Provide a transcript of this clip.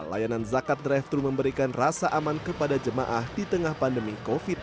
layanan zakat drive thru memberikan rasa aman kepada jemaah di tengah pandemi covid sembilan belas